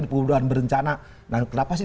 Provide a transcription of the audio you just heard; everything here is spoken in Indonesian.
ini perubahan berencana nah kenapa sih